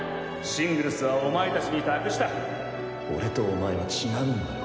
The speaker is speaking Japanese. シングルスはお前達に託した俺とお前は違うんだよ